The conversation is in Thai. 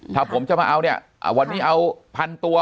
ถ้าผมจะมาเอาเนี่ยวันนี้เอาพันตัว